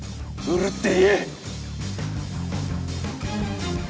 売るって言え！